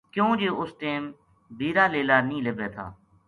کیوں جے اُس ٹیم بیر ا لیلا نیہہ لبھے تھا